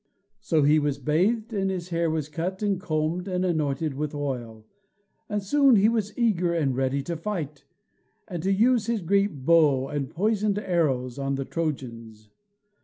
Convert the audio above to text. So he was bathed, and his hair was cut and combed and anointed with oil, and soon he was eager and ready to fight, and to use his great bow and poisoned arrows on the Trojans.